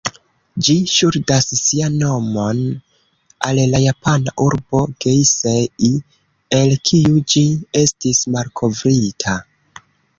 Ĝi ŝuldas sian nomon al la japana urbo "Geisei", el kiu ĝi estis malkovrita.